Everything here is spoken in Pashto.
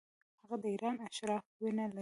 هغه د ایران اشرافو وینه لري.